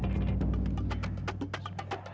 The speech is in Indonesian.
assalamualaikum warahmatullahi wabarakatuh